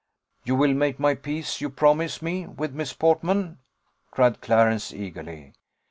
"You will make my peace, you promise me, with Miss Portman," cried Clarence eagerly.